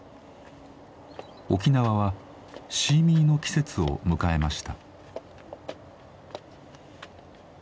沖縄はシーミーの季節を迎えました。